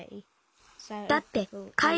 だってかい